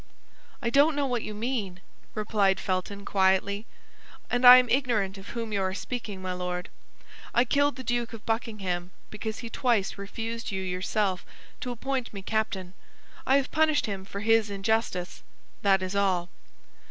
"I don't know what you mean," replied Felton, quietly, "and I am ignorant of whom you are speaking, my Lord. I killed the Duke of Buckingham because he twice refused you yourself to appoint me captain; I have punished him for his injustice, that is all."